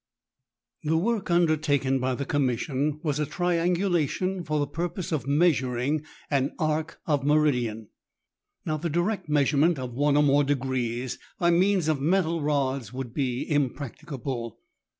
The work undertaken by the Commission was a triangu lation for the purpose of measuring an arc of meridian. Now the direct measurement of one or more degrees by means of metal rods would be impracticable.